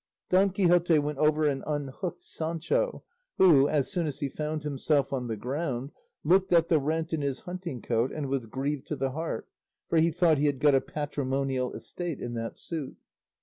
Don Quixote went over and unhooked Sancho, who, as soon as he found himself on the ground, looked at the rent in his huntingcoat and was grieved to the heart, for he thought he had got a patrimonial estate in that suit.